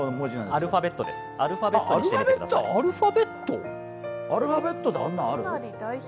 アルファベットであんなんある？